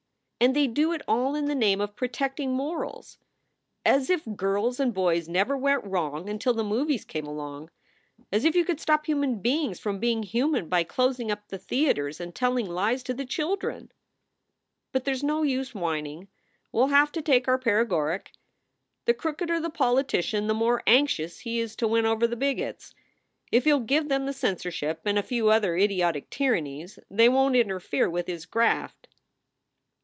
"And they do it all in the name of protecting morals! as if girls and boys never went wrong until the movies came along; as if you could stop human beings from being human by closing up the theaters and telling lies to the children ! "But there s no use whining. We ll have to take our paregoric. The crookeder the politician the more anxious he is to win over the bigots. If he ll give them the censor ship and a few other idiotic tyrannies they won t interfere with his graft."